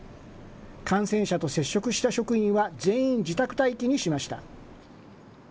感染者と接触した職員は、全員、自宅待機にしました。